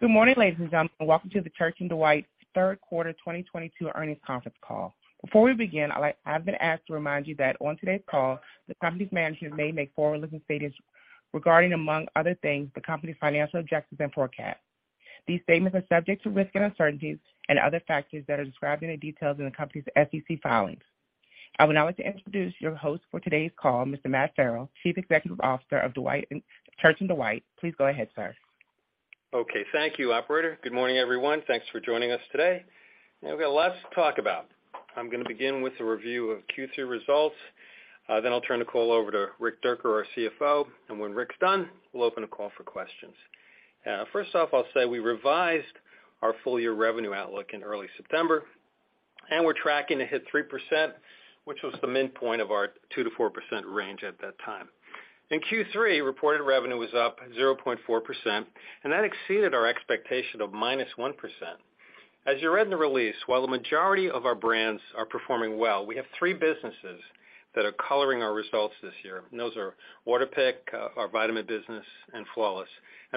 Good morning, ladies and gentlemen. Welcome to the Church & Dwight third quarter 2022 earnings conference call. Before we begin, I've been asked to remind you that on today's call, the company's management may make forward-looking statements regarding, among other things, the company's financial objectives and forecast. These statements are subject to risks and uncertainties and other factors that are described in detail in the company's SEC filings. I would now like to introduce your host for today's call, Mr. Matt Farrell, Chief Executive Officer of Church & Dwight. Please go ahead, sir. Okay, thank you, operator. Good morning, everyone. Thanks for joining us today. Now we've got lots to talk about. I'm gonna begin with a review of Q3 results, then I'll turn the call over to Rick Dierker, our CFO, and when Rick's done, we'll open the call for questions. First off, I'll say we revised our full-year revenue outlook in early September, and we're tracking to hit 3%, which was the midpoint of our 2%-4% range at that time. In Q3, reported revenue was up 0.4%, and that exceeded our expectation of -1%. As you read in the release, while the majority of our brands are performing well, we have three businesses that are coloring our results this year, and those are Waterpik, our vitamin business, and Flawless.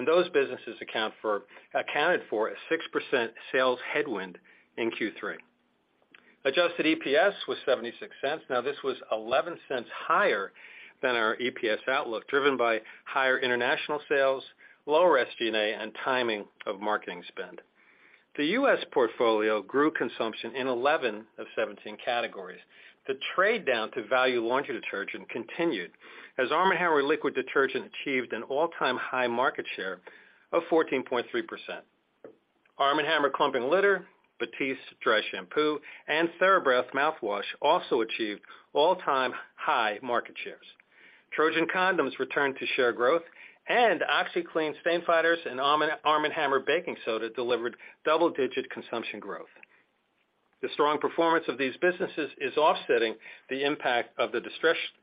Those businesses accounted for a 6% sales headwind in Q3. Adjusted EPS was $0.76. Now this was $0.11 higher than our EPS outlook, driven by higher international sales, lower SG&A, and timing of marketing spend. The U.S. portfolio grew consumption in 11 of 17 categories. The trade down to value laundry detergent continued as Arm & Hammer liquid detergent achieved an all-time high market share of 14.3%. Arm & Hammer clumping litter, Batiste dry shampoo, and TheraBreath mouthwash also achieved all-time high market shares. Trojan condoms returned to share growth, and OxiClean stain fighters and Arm & Hammer baking soda delivered double-digit consumption growth. The strong performance of these businesses is offsetting the impact of the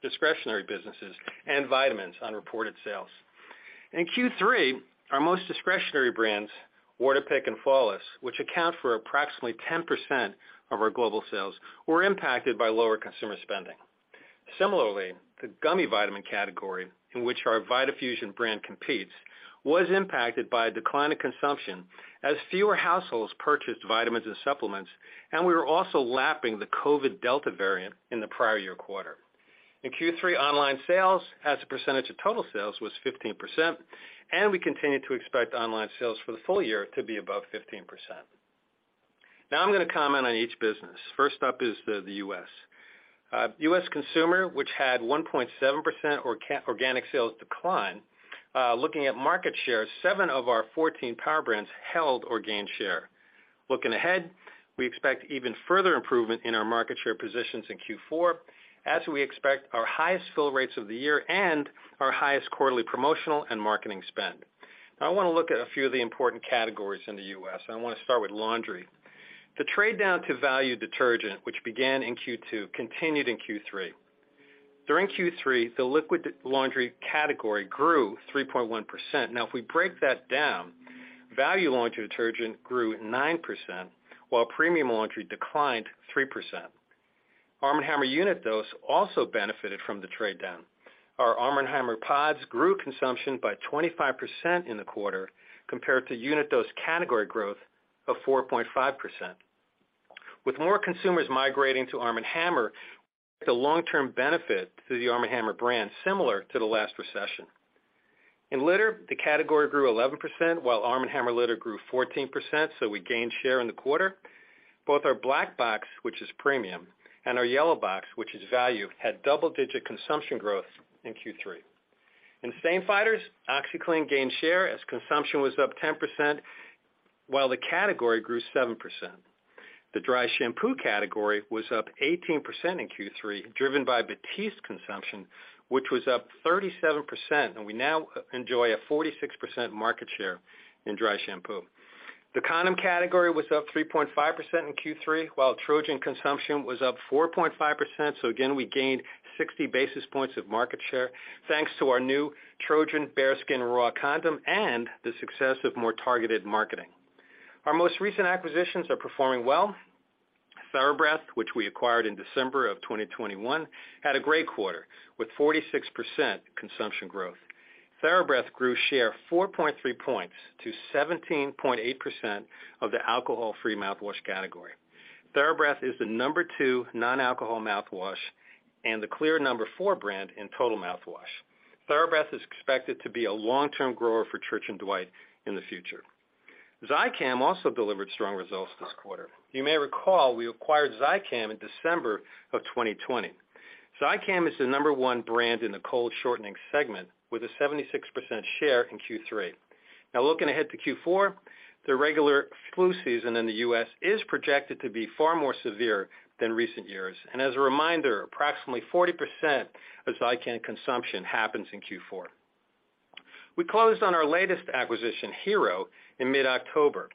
discretionary businesses and vitamins on reported sales. In Q3, our most discretionary brands, Waterpik and Flawless, which account for approximately 10% of our global sales, were impacted by lower consumer spending. Similarly, the gummy vitamin category, in which our VitaFusion brand competes, was impacted by a decline in consumption as fewer households purchased vitamins and supplements, and we were also lapping the COVID Delta variant in the prior year quarter. In Q3, online sales as a percentage of total sales was 15%, and we continue to expect online sales for the full year to be above 15%. Now I'm gonna comment on each business. First up is the US consumer, which had 1.7% organic sales decline. Looking at market share, seven of our 14 power brands held or gained share. Looking ahead, we expect even further improvement in our market share positions in Q4 as we expect our highest fill rates of the year and our highest quarterly promotional and marketing spend. Now I wanna look at a few of the important categories in the U.S., and I wanna start with laundry. The trade down to value detergent, which began in Q2, continued in Q3. During Q3, the liquid laundry category grew 3.1%. Now if we break that down, value laundry detergent grew 9%, while premium laundry declined 3%. Arm & Hammer unit dose also benefited from the trade down. Our Arm & Hammer pods grew consumption by 25% in the quarter compared to unit dose category growth of 4.5%. With more consumers migrating to Arm & Hammer, the long-term benefit to the Arm & Hammer brand similar to the last recession. In litter, the category grew 11%, while Arm & Hammer litter grew 14%, so we gained share in the quarter. Both our black box, which is premium, and our yellow box, which is value, had double-digit consumption growth in Q3. In stain fighters, OxiClean gained share as consumption was up 10%, while the category grew 7%. The dry shampoo category was up 18% in Q3, driven by Batiste consumption, which was up 37%, and we now enjoy a 46% market share in dry shampoo. The condom category was up 3.5% in Q3, while Trojan consumption was up 4.5%, so again, we gained 60 basis points of market share thanks to our new Trojan BareSkin Raw condom and the success of more targeted marketing. Our most recent acquisitions are performing well. TheraBreath, which we acquired in December of 2021, had a great quarter, with 46% consumption growth. TheraBreath grew share 4.3 points to 17.8% of the alcohol-free mouthwash category. TheraBreath is the number two non-alcohol mouthwash and the clear number four brand in total mouthwash. TheraBreath is expected to be a long-term grower for Church & Dwight in the future. Zicam also delivered strong results this quarter. You may recall we acquired Zicam in December of 2020. Zicam is the number one brand in the cold shortening segment with a 76% share in Q3. Now looking ahead to Q4, the regular flu season in the US is projected to be far more severe than recent years. As a reminder, approximately 40% of Zicam consumption happens in Q4. We closed on our latest acquisition, Hero, in mid-October.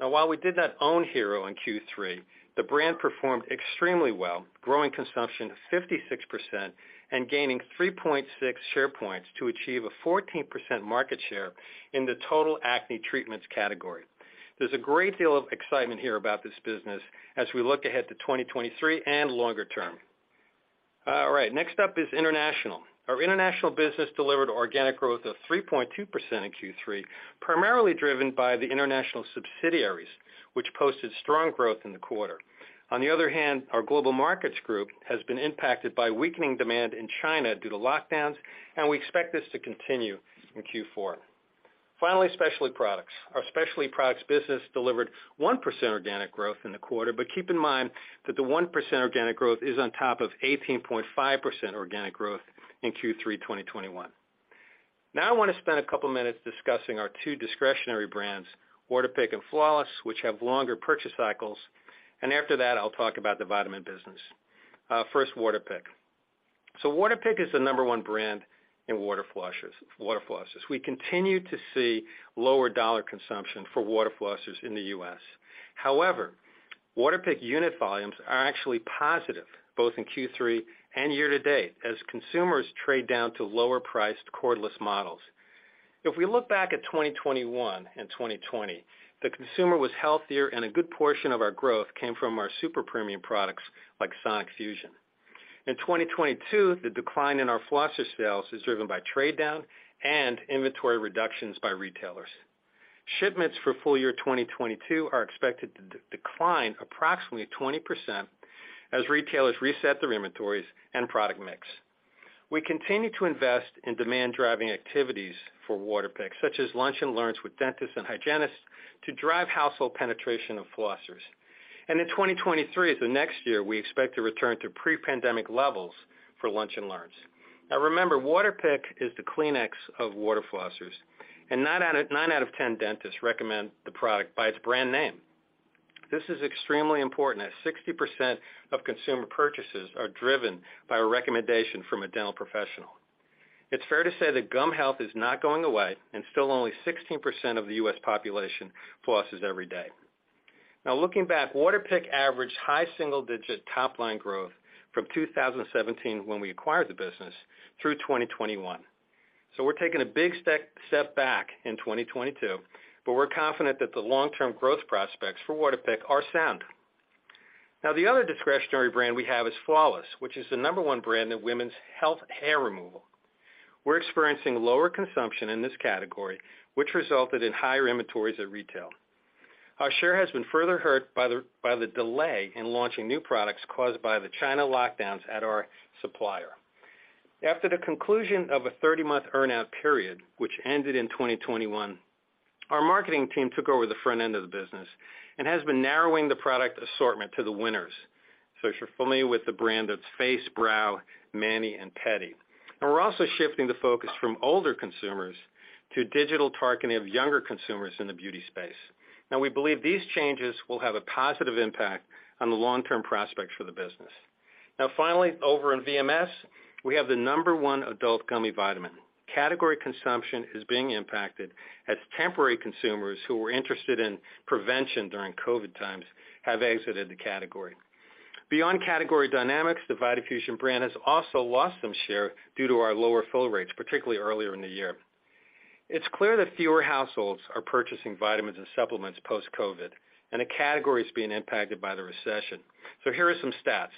Now while we did not own Hero in Q3, the brand performed extremely well, growing consumption 56% and gaining 3.6 share points to achieve a 14% market share in the total acne treatments category. There's a great deal of excitement here about this business as we look ahead to 2023 and longer term. All right, next up is international. Our international business delivered organic growth of 3.2% in Q3, primarily driven by the international subsidiaries, which posted strong growth in the quarter. On the other hand, our global markets group has been impacted by weakening demand in China due to lockdowns, and we expect this to continue in Q4. Finally, specialty products. Our specialty products business delivered 1% organic growth in the quarter, but keep in mind that the 1% organic growth is on top of 18.5% organic growth in Q3 2021. Now, I wanna spend a couple of minutes discussing our two discretionary brands, Waterpik and Flawless, which have longer purchase cycles, and after that, I'll talk about the vitamin business. First, Waterpik. So Waterpik is the number one brand in water flossers. We continue to see lower dollar consumption for water flossers in the US. However, Waterpik unit volumes are actually positive, both in Q3 and year-to-date, as consumers trade down to lower-priced cordless models. If we look back at 2021 and 2020, the consumer was healthier and a good portion of our growth came from our super premium products like Sonic-Fusion. In 2022, the decline in our flosser sales is driven by trade-down and inventory reductions by retailers. Shipments for full year 2022 are expected to decline approximately 20% as retailers reset their inventories and product mix. We continue to invest in demand-driving activities for Waterpik, such as lunch and learns with dentists and hygienists to drive household penetration of flossers. In 2023, the next year, we expect to return to pre-pandemic levels for lunch and learns. Now, remember, Waterpik is the Kleenex of water flossers, and nine out of 10 dentists recommend the product by its brand name. This is extremely important, as 60% of consumer purchases are driven by a recommendation from a dental professional. It's fair to say that gum health is not going away, and still only 16% of the U.S. population flosses every day. Now looking back, Waterpik averaged high single-digit top-line growth from 2017 when we acquired the business through 2021. We're taking a big step back in 2022, but we're confident that the long-term growth prospects for Waterpik are sound. Now, the other discretionary brand we have is Flawless, which is the number one brand in women's health hair removal. We're experiencing lower consumption in this category, which resulted in higher inventories at retail. Our share has been further hurt by the delay in launching new products caused by the China lockdowns at our supplier. After the conclusion of a 30-month earnout period, which ended in 2021, our marketing team took over the front end of the business and has been narrowing the product assortment to the winners. If you're familiar with the brand, that's Face, Brow, Mani, and Pedi. We're also shifting the focus from older consumers to digital targeting of younger consumers in the beauty space. Now, we believe these changes will have a positive impact on the long-term prospects for the business. Now, finally, over in VMS, we have the number one adult gummy vitamin. Category consumption is being impacted as temporary consumers who were interested in prevention during COVID times have exited the category. Beyond category dynamics, the VitaFusion brand has also lost some share due to our lower fill rates, particularly earlier in the year. It's clear that fewer households are purchasing vitamins and supplements post-COVID, and the category is being impacted by the recession. Here are some stats.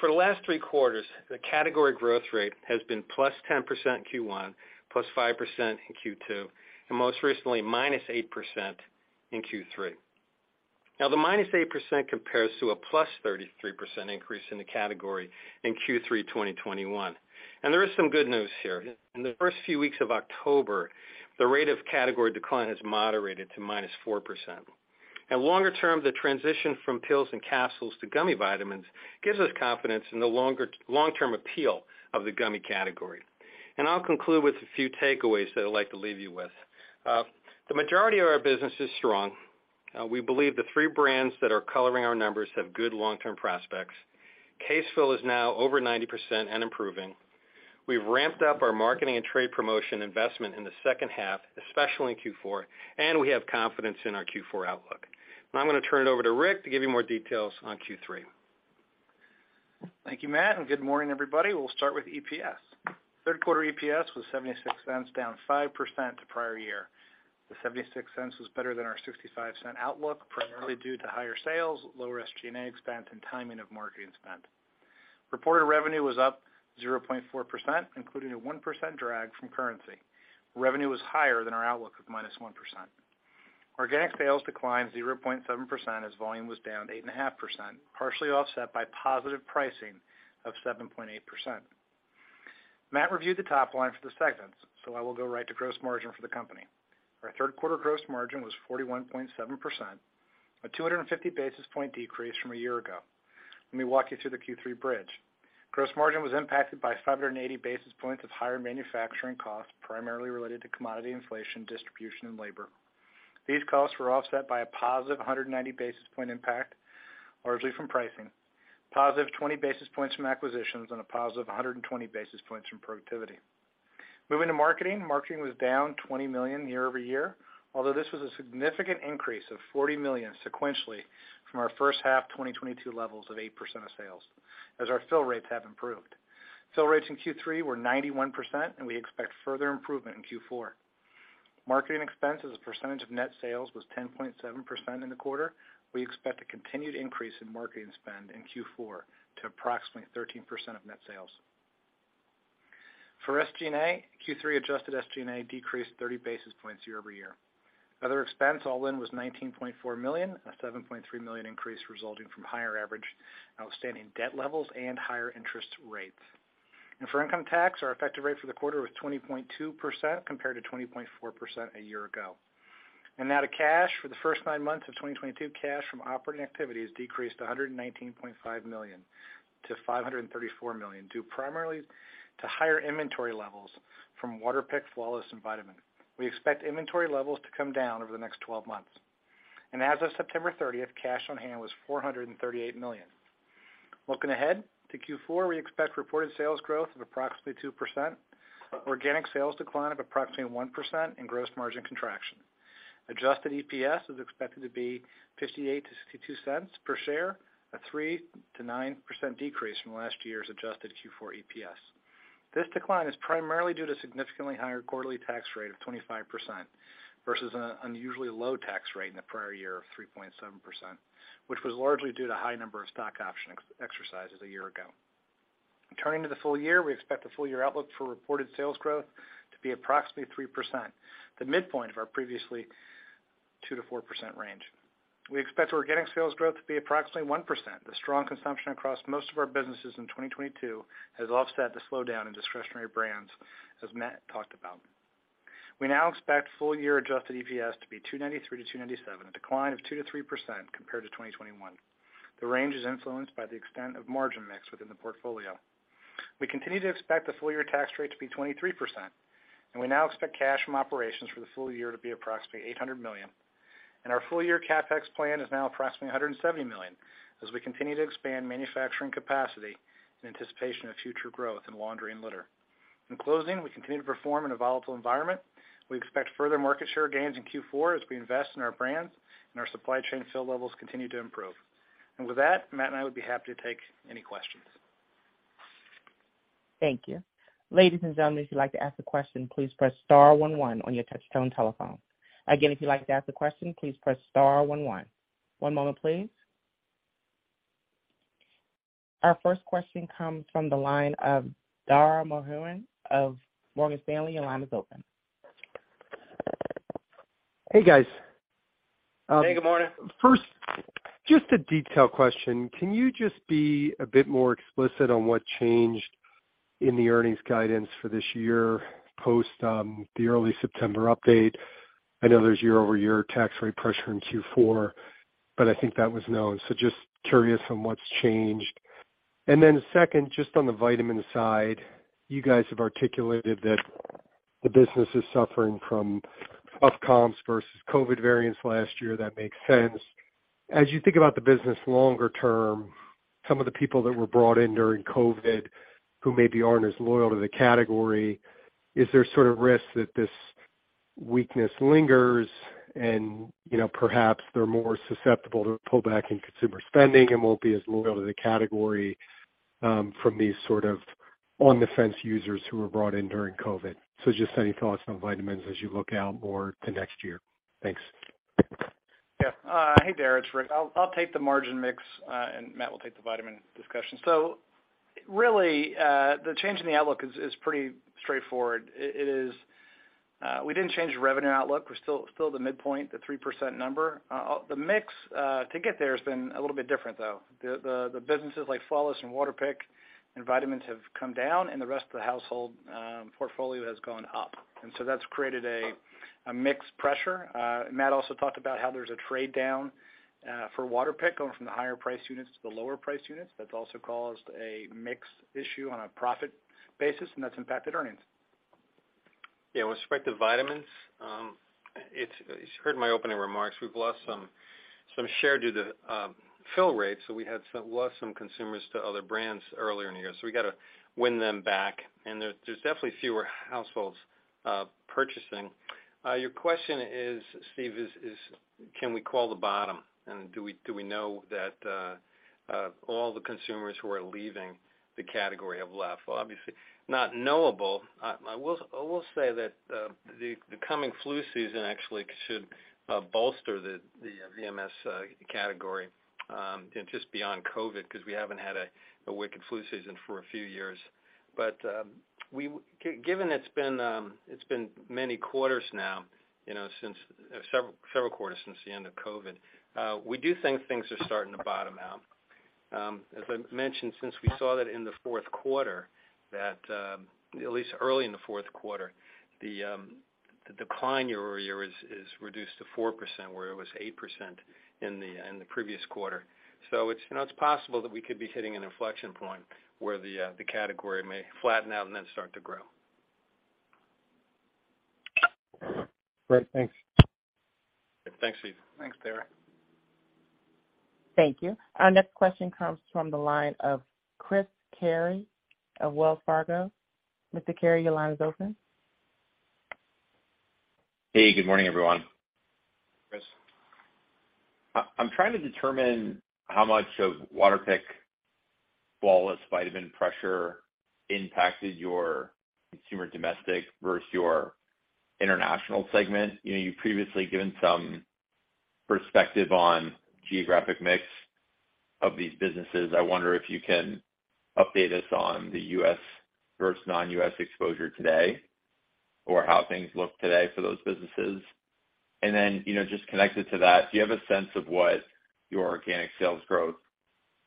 For the last three quarters, the category growth rate has been +10% in Q1, +5% in Q2, and most recently, -8% in Q3. Now, the -8% compares to a +33% increase in the category in Q3 2021. There is some good news here. In the first few weeks of October, the rate of category decline has moderated to -4%. Now longer term, the transition from pills and capsules to gummy vitamins gives us confidence in the long-term appeal of the gummy category. I'll conclude with a few takeaways that I'd like to leave you with. The majority of our business is strong. We believe the three brands that are coloring our numbers have good long-term prospects. Case fill is now over 90% and improving. We've ramped up our marketing and trade promotion investment in the second half, especially in Q4, and we have confidence in our Q4 outlook. Now I'm gonna turn it over to Rick to give you more details on Q3. Thank you, Matt, and good morning, everybody. We'll start with EPS. Third quarter EPS was $0.76, down 5% to prior year. The $0.76 was better than our $0.65 outlook, primarily due to higher sales, lower SG&A expense, and timing of marketing spend. Reported revenue was up 0.4%, including a 1% drag from currency. Revenue was higher than our outlook of -1%. Organic sales declined 0.7% as volume was down 8.5%, partially offset by positive pricing of 7.8%. Matt reviewed the top line for the segments, so I will go right to gross margin for the company. Our third quarter gross margin was 41.7%, a 250 basis point decrease from a year ago. Let me walk you through the Q3 bridge. Gross margin was impacted by 580 basis points of higher manufacturing costs, primarily related to commodity inflation, distribution, and labor. These costs were offset by a positive 190 basis point impact, largely from pricing, positive 20 basis points from acquisitions, and a positive 120 basis points from productivity. Moving to marketing. Marketing was down $20 million year-over-year, although this was a significant increase of $40 million sequentially from our first half 2022 levels of 8% of sales as our fill rates have improved. Fill rates in Q3 were 91%, and we expect further improvement in Q4. Marketing expense as a percentage of net sales was 10.7% in the quarter. We expect a continued increase in marketing spend in Q4 to approximately 13% of net sales. For SG&A, Q3 adjusted SG&A decreased 30 basis points year-over-year. Other expense all-in was $19.4 million, a $7.3 million increase resulting from higher average outstanding debt levels and higher interest rates. For income tax, our effective rate for the quarter was 20.2% compared to 20.4% a year ago. Now to cash. For the first nine months of 2022, cash from operating activities decreased from $534 million to $119.5 million, due primarily to higher inventory levels from Waterpik, Flawless and VitaFusion. We expect inventory levels to come down over the next twelve months. As of September 30th, cash on hand was $438 million. Looking ahead to Q4, we expect reported sales growth of approximately 2%, organic sales decline of approximately 1% and gross margin contraction. Adjusted EPS is expected to be $0.58-$0.62 per share, a 3%-9% decrease from last year's adjusted Q4 EPS. This decline is primarily due to significantly higher quarterly tax rate of 25% versus an unusually low tax rate in the prior year of 3.7%, which was largely due to high number of stock option exercises a year ago. Turning to the full year, we expect the full year outlook for reported sales growth to be approximately 3%, the midpoint of our previously 2%-4% range. We expect organic sales growth to be approximately 1%. The strong consumption across most of our businesses in 2022 has offset the slowdown in discretionary brands, as Matt talked about. We now expect full year adjusted EPS to be $2.93-$2.97, a decline of 2%-3% compared to 2021. The range is influenced by the extent of margin mix within the portfolio. We continue to expect the full year tax rate to be 23%, and we now expect cash from operations for the full year to be approximately $800 million. Our full year CapEx plan is now approximately $170 million as we continue to expand manufacturing capacity in anticipation of future growth in laundry and litter. In closing, we continue to perform in a volatile environment. We expect further market share gains in Q4 as we invest in our brands and our supply chain fill levels continue to improve. With that, Matt and I would be happy to take any questions. Thank you. Ladies and gentlemen, if you'd like to ask a question, please press star one one on your touchtone telephone. Again, if you'd like to ask a question, please press star one one. One moment, please. Our first question comes from the line of Dara Mohsenian of Morgan Stanley. Your line is open. Hey, guys. Hey, good morning. First, just a detail question. Can you just be a bit more explicit on what changed in the earnings guidance for this year post the early September update? I know there's year-over-year tax rate pressure in Q4, but I think that was known. Just curious on what's changed. Second, just on the vitamin side, you guys have articulated that the business is suffering from tough comps versus COVID variants last year. That makes sense. As you think about the business longer term, some of the people that were brought in during COVID, who maybe aren't as loyal to the category, is there sort of risk that this weakness lingers and, you know, perhaps they're more susceptible to pullback in consumer spending and won't be as loyal to the category from these sort of on-the-fence users who were brought in during COVID? Just any thoughts on vitamins as you look out more to next year? Thanks. Yeah. Hey Dara, it's Rick. I'll take the margin mix, and Matt will take the vitamin discussion. Really, the change in the outlook is pretty straightforward. It is. We didn't change the revenue outlook. We're still the midpoint, the 3% number. The mix to get there has been a little bit different, though. The businesses like Flawless and Waterpik and Vitamins have come down and the rest of the household portfolio has gone up. That's created a mix pressure. Matt also talked about how there's a trade down for Waterpik going from the higher priced units to the lower priced units. That's also caused a mix issue on a profit basis, and that's impacted earnings. Yeah. With respect to vitamins, you heard my opening remarks. We've lost some share due to fill rates. We lost some consumers to other brands earlier in the year, so we gotta win them back. There's definitely fewer households purchasing. Your question is, Steve, can we call the bottom and do we know that all the consumers who are leaving the category have left? Well, obviously not knowable. I will say that the coming flu season actually should bolster the VMS category and just beyond COVID, because we haven't had a wicked flu season for a few years. Given it's been many quarters now, you know, several quarters since the end of COVID, we do think things are starting to bottom out. As I mentioned, since we saw that in the fourth quarter, at least early in the fourth quarter, the decline year-over-year is reduced to 4%, where it was 8% in the previous quarter. It's, you know, it's possible that we could be hitting an inflection point where the category may flatten out and then start to grow. Great. Thanks. Thanks, Steve. Thanks, Dara. Thank you. Our next question comes from the line of Chris Carey of Wells Fargo. Mr. Carey, your line is open. Hey, good morning, everyone. Chris. I'm trying to determine how much of Waterpik, Flawless, vitamin pressure impacted your consumer domestic versus your international segment. You know, you've previously given some perspective on geographic mix of these businesses. I wonder if you can update us on the U.S. versus non-U.S. exposure today or how things look today for those businesses. Then, you know, just connected to that, do you have a sense of what your organic sales growth,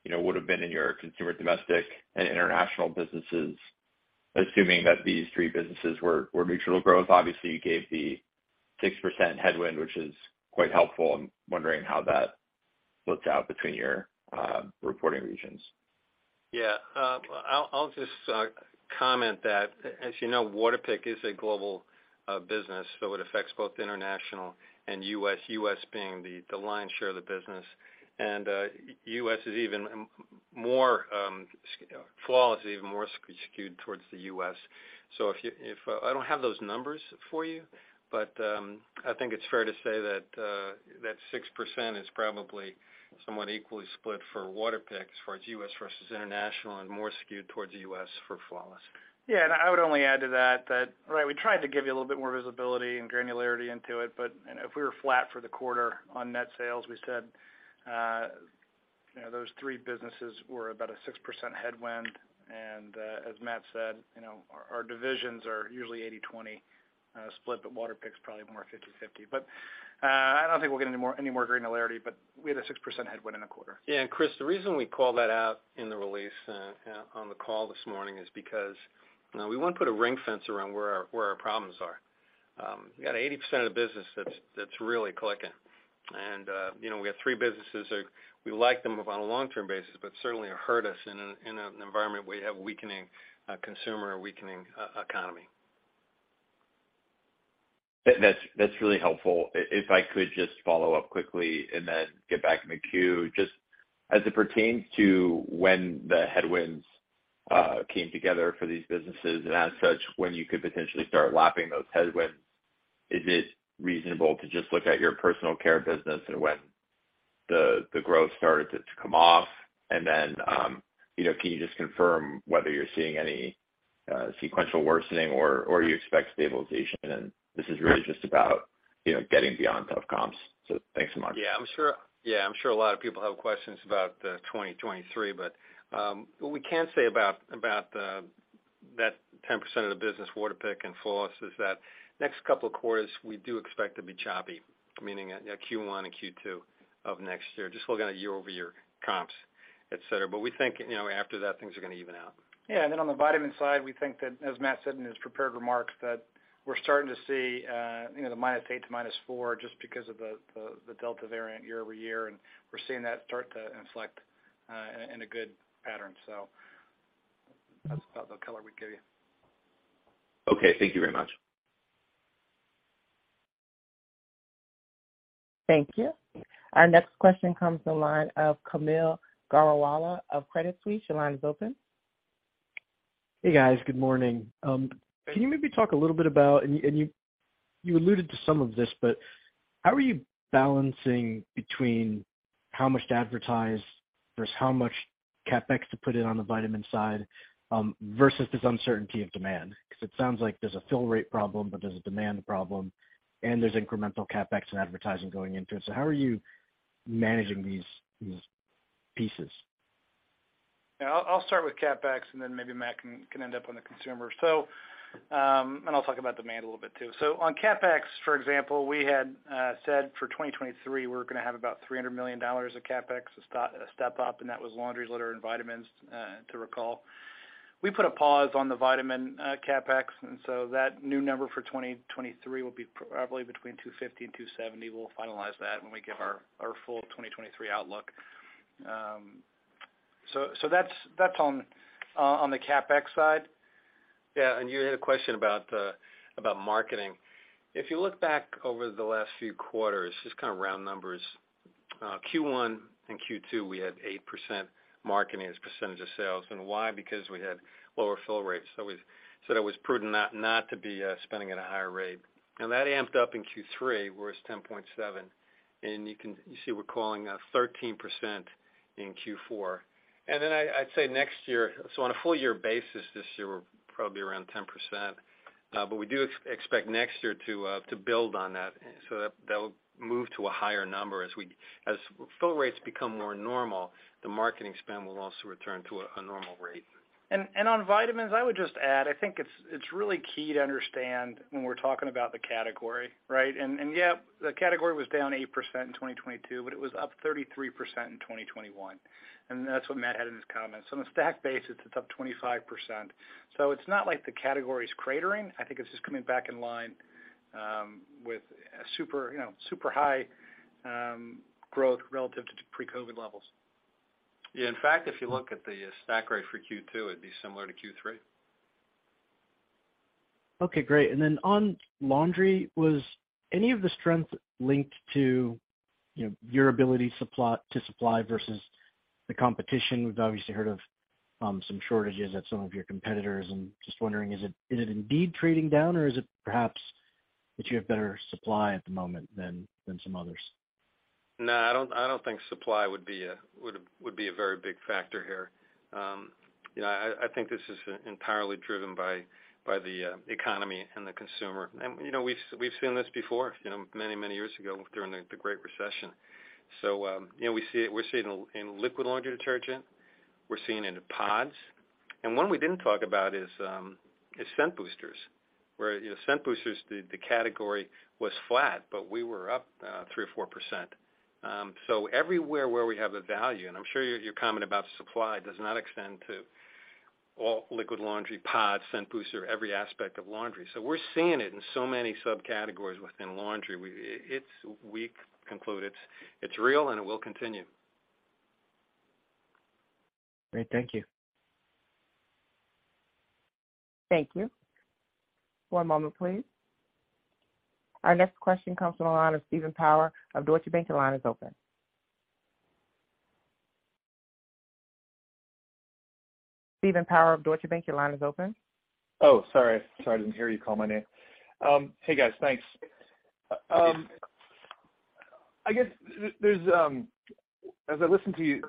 you know, would have been in your consumer, domestic, and international businesses, assuming that these three businesses were neutral growth? Obviously, you gave the 6% headwind, which is quite helpful. I'm wondering how that broke out between your reporting regions. Yeah. I'll just comment that as you know, Waterpik is a global business, so it affects both international and U.S., U.S. being the lion's share of the business. U.S. is even more skewed towards the U.S. Flawless is even more skewed towards the U.S. If I don't have those numbers for you, but I think it's fair to say that 6% is probably somewhat equally split for Waterpik as far as U.S. versus international and more skewed towards the U.S. for Flawless. Yeah, I would only add to that, right, we tried to give you a little bit more visibility and granularity into it. If we were flat for the quarter on net sales, we said, you know, those three businesses were about a 6% headwind. As Matt said, you know, our divisions are usually 80/20 split, but Waterpik is probably more 50/50. I don't think we'll get any more granularity, but we had a 6% headwind in the quarter. Yeah. Chris, the reason we called that out in the release on the call this morning is because we wanna put a ring fence around where our problems are. We got 80% of the business that's really clicking. You know, we have three businesses that we like them on a long-term basis, but certainly hurt us in an environment where you have weakening consumer or weakening economy. That's really helpful. If I could just follow up quickly and then get back in the queue. Just as it pertains to when the headwinds came together for these businesses and as such, when you could potentially start lapping those headwinds, is it reasonable to just look at your personal care business and when the growth started to come off? Then you know, can you just confirm whether you're seeing any sequential worsening or you expect stabilization? This is really just about, you know, getting beyond tough comps. Thanks so much. Yeah, I'm sure a lot of people have questions about 2023. What we can say about that 10% of the business, Waterpik and Flawless, is that in the next couple of quarters, we do expect to be choppy. Meaning, Q1 and Q2 of next year. Just looking at year-over-year comps, et cetera. We think, you know, after that things are gonna even out. On the vitamin side, we think that, as Matt said in his prepared remarks, that we're starting to see the -8% to -4% just because of the Delta variant year-over-year, and we're seeing that start to inflect in a good pattern. That's about the color we'd give you. Okay, thank you very much. Thank you. Our next question comes from the line of Kaumil Gajrawala of Credit Suisse. Your line is open. Hey, guys. Good morning. Can you maybe talk a little bit about you alluded to some of this, but how are you balancing between how much to advertise versus how much CapEx to put in on the vitamin side versus this uncertainty of demand? Because it sounds like there's a fill rate problem, but there's a demand problem, and there's incremental CapEx and advertising going into it. How are you managing these pieces? I'll start with CapEx and then maybe Matt can end up on the consumer. I'll talk about demand a little bit too. On CapEx, for example, we had said for 2023 we're gonna have about $300 million of CapEx, a step up, and that was laundry, litter and vitamins to recall. We put a pause on the vitamin CapEx, and that new number for 2023 will be probably between $250 million and $270 million. We'll finalize that when we give our full 2023 outlook. That's on the CapEx side. Yeah. You had a question about marketing. If you look back over the last few quarters, just kind of round numbers, Q1 and Q2, we had 8% marketing as a percentage of sales. Why? Because we had lower fill rates, so we said it was prudent not to be spending at a higher rate. Now, that amped up in Q3, where it's 10.7%, and you see we're calling 13% in Q4. Then I'd say next year. On a full year basis this year, we're probably around 10%. But we do expect next year to build on that, so that'll move to a higher number. As fill rates become more normal, the marketing spend will also return to a normal rate. On vitamins, I would just add, I think it's really key to understand when we're talking about the category, right? Yeah, the category was down 8% in 2022, but it was up 33% in 2021, and that's what Matt had in his comments. On a stack basis, it's up 25%, so it's not like the category is cratering. I think it's just coming back in line with a super, you know, super high growth relative to pre-COVID levels. Yeah. In fact, if you look at the stack rate for Q2, it'd be similar to Q3. Okay, great. On laundry, was any of the strength linked to, you know, your ability to supply versus the competition? We've obviously heard of some shortages at some of your competitors. I'm just wondering, is it indeed trading down or is it perhaps you have better supply at the moment than some others. No, I don't think supply would be a very big factor here. You know, I think this is entirely driven by the economy and the consumer. You know, we've seen this before, you know, many years ago during the Great Recession. You know, we're seeing it in liquid laundry detergent. We're seeing it in pods. One we didn't talk about is scent boosters, where, you know, scent boosters, the category was flat, but we were up 3% or 4%. Everywhere where we have a value, and I'm sure your comment about supply does not extend to all liquid laundry, pods, scent booster, every aspect of laundry. We're seeing it in so many subcategories within laundry. We conclude it's real and it will continue. Great. Thank you. Thank you. One moment please. Our next question comes from the line of Stephen Powers of Deutsche Bank. Your line is open. Stephen Powers of Deutsche Bank, your line is open. Oh, sorry. Sorry, I didn't hear you call my name. Hey, guys, thanks. I guess there's, as I listened to you,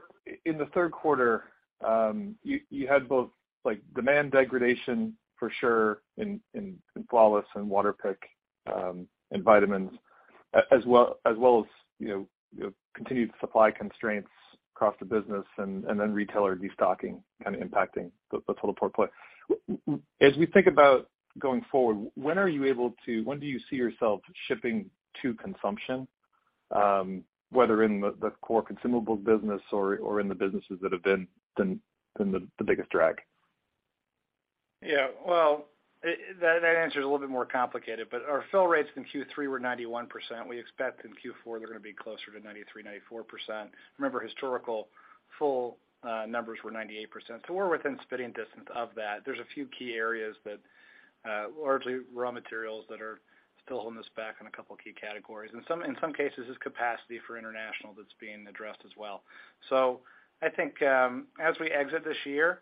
in the third quarter, you had both, like, demand degradation for sure in Flawless and Waterpik, and vitamins as well as, you know, continued supply constraints across the business, and then retailer restocking kind of impacting the total portfolio. As we think about going forward, when are you able to, when do you see yourself shipping to consumption, whether in the core consumable business or in the businesses that have been the biggest drag? Well, that answer is a little bit more complicated, but our fill rates in Q3 were 91%. We expect in Q4 they're gonna be closer to 93%-94%. Remember, historical fill numbers were 98%. So we're within spitting distance of that. There's a few key areas, but largely raw materials that are still holding us back in a couple of key categories. In some cases, it's capacity for international that's being addressed as well. So I think, as we exit this year,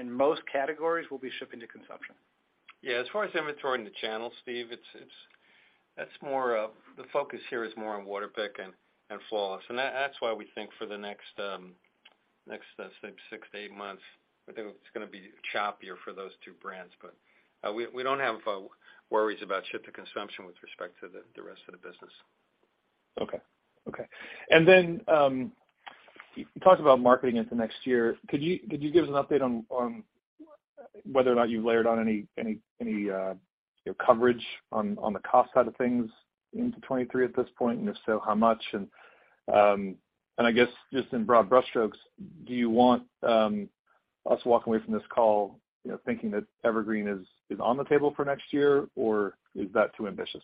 in most categories, we'll be shipping to consumption. Yeah. As far as inventory in the channel, Steve, that's more of the focus here, more on Waterpik and Flawless. That's why we think for the next, let's say six to eight months, I think it's gonna be choppier for those two brands. We don't have worries about ship to consumption with respect to the rest of the business. Okay. You talked about marketing into next year. Could you give us an update on whether or not you've layered on any, you know, coverage on the cost side of things into 2023 at this point? And if so, how much? I guess, just in broad brush strokes, do you want us walking away from this call, you know, thinking that Evergreen is on the table for next year, or is that too ambitious?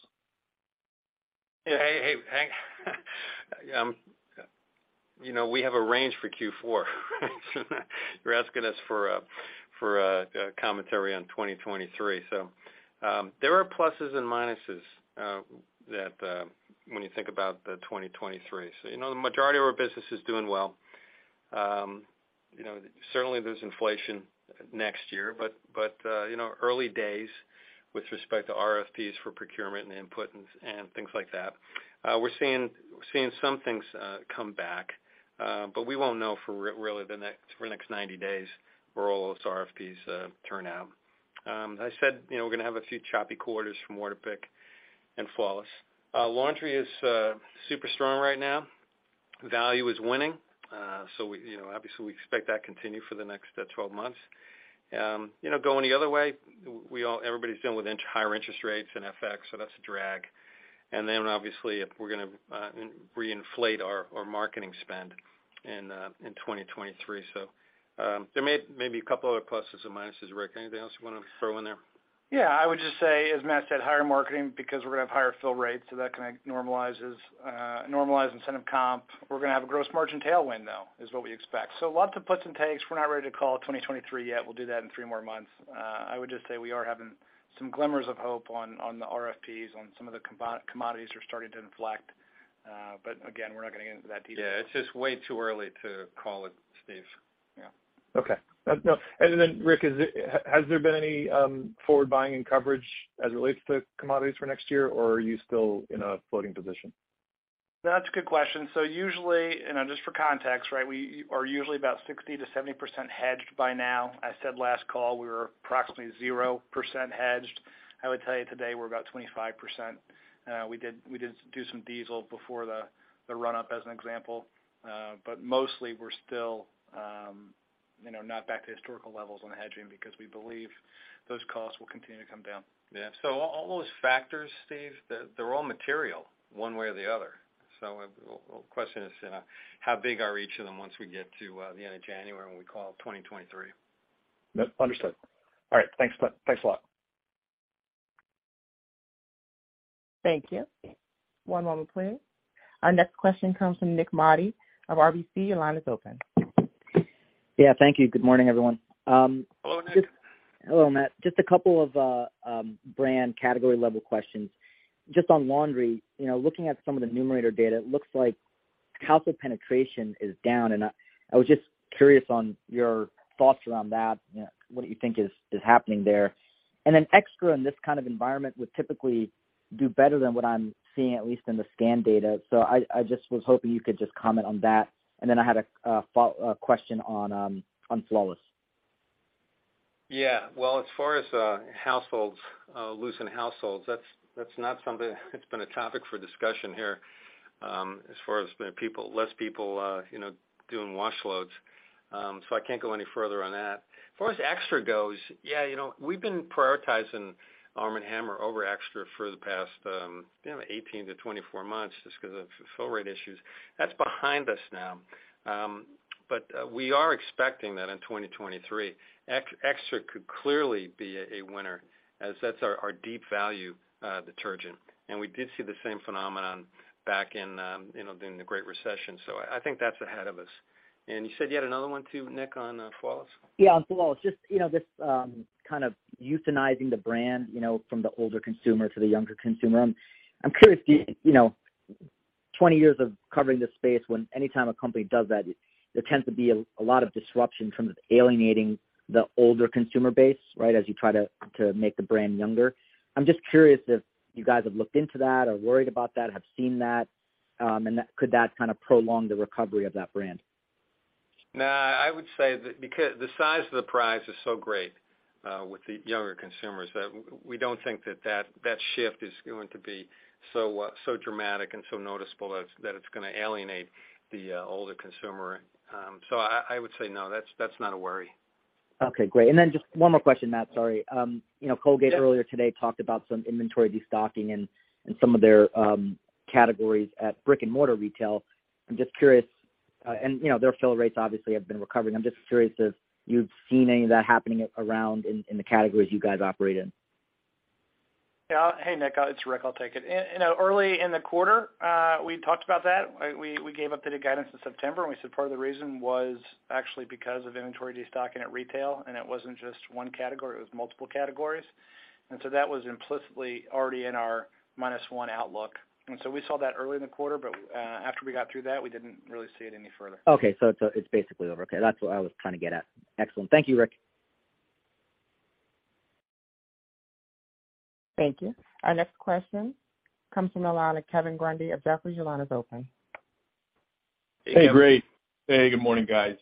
Hey, hey. You know, we have a range for Q4. You're asking us for commentary on 2023. There are pluses and minuses that when you think about 2023. You know, the majority of our business is doing well. You know, certainly there's inflation next year, but you know, early days with respect to RFPs for procurement and input and things like that. We're seeing some things come back, but we won't know really for the next 90 days where all those RFPs turn out. As I said, you know, we're gonna have a few choppy quarters from Waterpik and Flawless. Laundry is super strong right now. Value is winning. We, you know, obviously we expect that continue for the next 12 months. You know, going the other way, everybody's dealing with higher interest rates and FX, so that's a drag. Then obviously, if we're gonna reinflate our marketing spend in 2023. There may be a couple other pluses or minuses. Rick, anything else you wanna throw in there? Yeah, I would just say, as Matt said, higher marketing because we're gonna have higher fill rates, so that kinda normalizes incentive comp. We're gonna have a gross margin tailwind, though, is what we expect. Lots of puts and takes. We're not ready to call 2023 yet. We'll do that in three more months. I would just say we are having some glimmers of hope on the RFPs on some of the commodities are starting to inflect. But again, we're not gonna get into that detail. Yeah, it's just way too early to call it, Steve. Yeah. Okay. No. Rick, has there been any forward buying and coverage as it relates to commodities for next year, or are you still in a floating position? That's a good question. Usually, and just for context, right, we are usually about 60%-70% hedged by now. I said last call we were approximately 0% hedged. I would tell you today we're about 25%. We did do some diesel before the run-up as an example. But mostly we're still, you know, not back to historical levels on the hedging because we believe those costs will continue to come down. Yeah. All those factors, Steve, they're all material one way or the other. The question is, you know, how big are each of them once we get to the end of January when we call 2023. Understood. All right. Thanks. Thanks a lot. Thank you. One moment please. Our next question comes from Nik Modi of RBC. Your line is open. Yeah, thank you. Good morning, everyone. Hello, Nik. Hello, Matt. Just a couple of brand category level questions. Just on laundry, you know, looking at some of the Numerator data, it looks like household penetration is down, and I was just curious on your thoughts around that, what you think is happening there. XTRA in this kind of environment would typically do better than what I'm seeing, at least in the scan data. I just was hoping you could just comment on that. I had a question on Flawless. Yeah. Well, as far as households losing households, that's not something that's been a topic for discussion here, as far as people, less people, you know, doing wash loads. I can't go any further on that. As far as XTRA goes, yeah, you know, we've been prioritizing Arm & Hammer over XTRA for the past you know 18-24 months just 'cause of fill rate issues. That's behind us now. But we are expecting that in 2023, XTRA could clearly be a winner, as that's our deep value detergent. We did see the same phenomenon back in during the Great Recession. I think that's ahead of us. You said you had another one too, Nik, on Flawless? Yeah, on Flawless. Just, you know, this kind of youthanizing the brand, you know, from the older consumer to the younger consumer. I'm curious, you know, 20 years of covering this space, when any time a company does that, there tends to be a lot of disruption from alienating the older consumer base, right, as you try to make the brand younger. I'm just curious if you guys have looked into that or worried about that, have seen that, and could that kind of prolong the recovery of that brand? No, I would say that because the size of the prize is so great with the younger consumers, that we don't think that shift is going to be so dramatic and so noticeable that it's gonna alienate the older consumer. So I would say no, that's not a worry. Okay, great. Just one more question, Matt, sorry. You know, Colgate-Palmolive earlier today talked about some inventory destocking in some of their categories at brick-and-mortar retail. I'm just curious, and you know, their fill rates obviously have been recovering. I'm just curious if you've seen any of that happening in the categories you guys operate in. Yeah. Hey, Nik, it's Rick. I'll take it. You know, early in the quarter, we talked about that. We gave updated guidance in September, and we said part of the reason was actually because of inventory destocking at retail, and it wasn't just one category, it was multiple categories. That was implicitly already in our minus one outlook. We saw that early in the quarter, but after we got through that, we didn't really see it any further. Okay. It's basically over. Okay, that's what I was trying to get at. Excellent. Thank you, Rick. Thank you. Our next question comes from the line of Kevin Grundy of Jefferies. Your line is open. Hey. Hey, great. Hey, good morning, guys.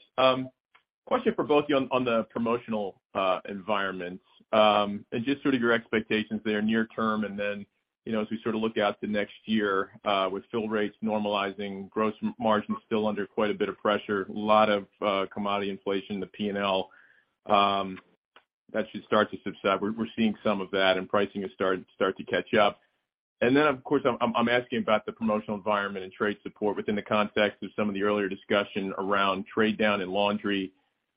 Question for both of you on the promotional environments and just sort of your expectations there near term and then, you know, as we sort of look out to next year, with fill rates normalizing, gross margins still under quite a bit of pressure, a lot of commodity inflation in the P&L, that should start to subside. We're seeing some of that, and pricing is starting to catch up. Then, of course, I'm asking about the promotional environment and trade support within the context of some of the earlier discussion around trade down in laundry.